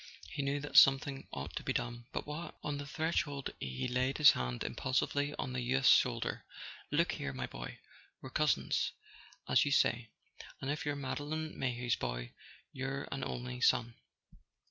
He knew that something ought to be done—but what? On the threshold he laid his hand impulsively on the youth's shoulder. "Look here, my boy, we're cousins, as you say, and if you're Madeline Mayhew's boy you're an only son.